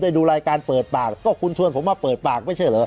ดูรายการเปิดปากก็คุณชวนผมมาเปิดปากไม่ใช่เหรอ